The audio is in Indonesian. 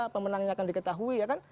pemenangnya akan diketahui ya kan